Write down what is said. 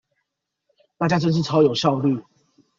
大家真是超有效率